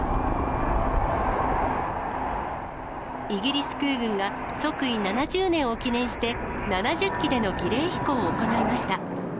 イギリス空軍が、即位７０年を記念して、７０機での儀礼飛行を行いました。